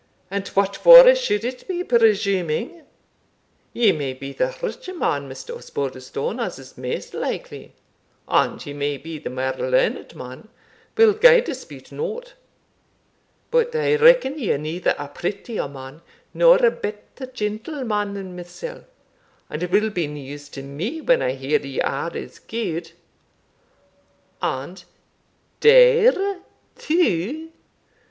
And what for should it be presuming? Ye may be the richer man, Mr. Osbaldistone, as is maist likely; and ye may be the mair learned man, whilk I dispute not: but I reckon ye are neither a prettier man nor a better gentleman than mysell and it will be news to me when I hear ye are as gude. And dare too?